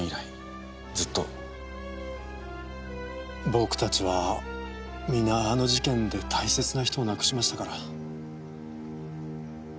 僕たちは皆あの事件で大切な人を亡くしましたから。